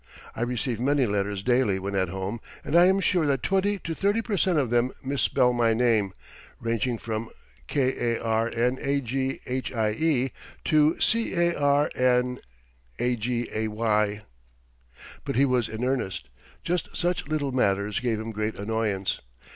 "I receive many letters daily when at home and I am sure that twenty to thirty per cent of them mis spell my name, ranging from 'Karnaghie' to 'Carnagay.'" But he was in earnest. Just such little matters gave him great annoyance.